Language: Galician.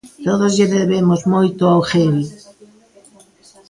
Todos lle debemos moito ao Hevi.